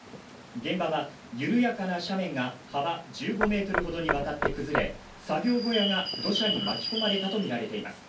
現場は緩やかな斜面が幅１５ｍほどにわたって崩れ、作業小屋が土砂に巻き込まれたとみられています。